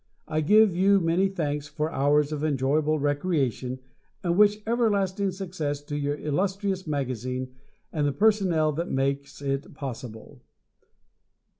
I give you many thanks for hours of enjoyable recreation, and wish everlasting success to your illustrious magazine and the personnel that makes it possible.